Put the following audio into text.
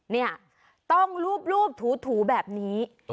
เนี่ยต้องรูปถูแบบนี้